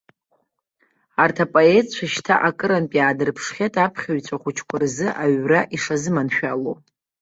Арҭ апоетцәа шьҭа акырынтә иаадырԥшхьеит аԥхьаҩцәа хәыҷқәа рзы аҩра ишазыманшәалоу.